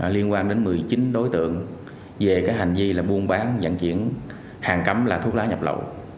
liên quan đến một mươi chín đối tượng về hành vi buôn bán dặn chuyển hàng cắm thuốc lá nhập lộ